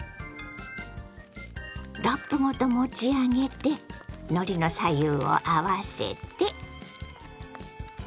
ラップごと持ち上げてのりの左右を合わせて。